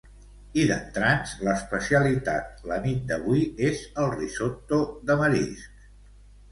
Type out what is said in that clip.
I d'entrants, l'especialitat la nit d'avui és el risotto de marisc.